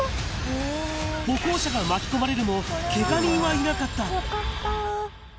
歩行者が巻き込まれるも、けが人よかった。